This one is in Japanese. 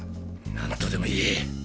何とでも言え。